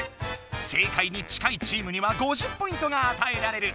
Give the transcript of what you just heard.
正解に近いチームには５０ポイントがあたえられる。